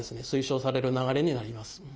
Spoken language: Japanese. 推奨される流れになります。